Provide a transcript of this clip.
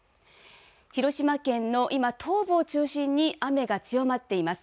広島県の、今、東部を中心に雨が強まっています。